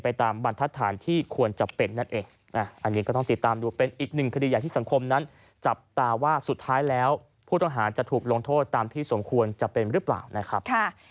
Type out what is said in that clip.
ตามบรรทัศนที่ควรจะเป็นนั่นเองอันนี้ก็ต้องติดตามดูเป็นอีกหนึ่งคดีอย่างที่สังคมนั้นจับตาว่าสุดท้ายแล้วผู้ต้องหาจะถูกลงโทษตามที่สมควรจะเป็นหรือเปล่านะครับ